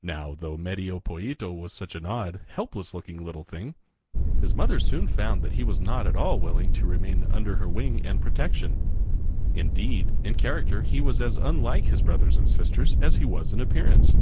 Now, though Medio Pollito was such an odd, helpless looking little thing, his mother soon found that he was not at all willing to remain under her wing and protection. Indeed, in character he was as unlike his brothers and sisters as he was in appearance.